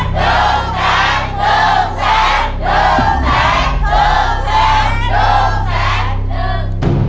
ถูกแสนลืมแสน